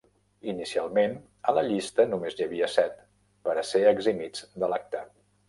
Inicialment a la llista només n'hi havia set per a ser eximits de l'acte.